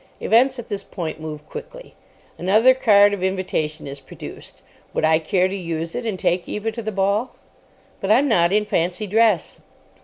Events at this point move quickly. Another card of invitation is produced. Would I care to use it, and take Eva to the ball? "But I'm not in fancy dress."